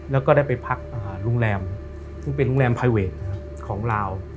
แล้วก็ได้ไปพักอ่าลงแหลมซึ่งเป็นลงแหลมไฟเวทนะคะของลาว